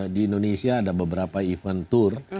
di indonesia ada beberapa event tour